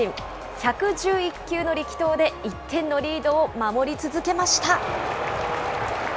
１１１球の力投で１点のリードを守り続けました。